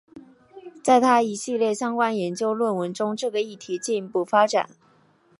在他一系列相关研究论文中这个议题进一步发展。